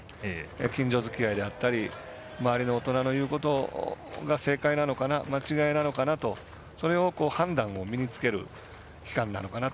近所づきあいであったり周りの大人の言うことが正解なのかな、間違いなのかなとそれを判断を身につける期間なのかなと。